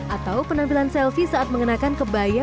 atau penampilan selvi saat mengenakan kebaya